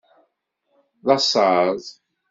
D asaḍ.